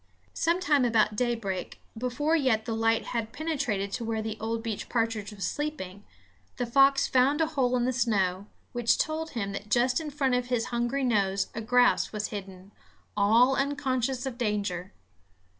Sometime about daybreak, before yet the light had penetrated to where the old beech partridge was sleeping, the fox found a hole in the snow, which told him that just in front of his hungry nose a grouse was hidden, all unconscious of danger.